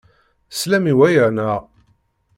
Teslamt i waya, naɣ?